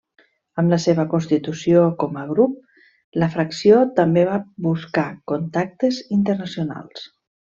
Amb la seva constitució com a grup, la fracció també va buscar contactes internacionals.